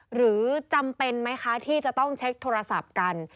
หรือจำเป็นไหมคะที่จะต้องเช็คโทรศัพท์กัน